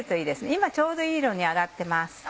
今ちょうどいい色に揚がってます。